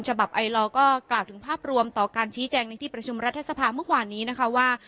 ฉบับไอลอก็กล่าวถึงภาพรวมต่อการชี้แจงในที่ประชุมรัฐสภาเมื่อวานนี้นะคะว่า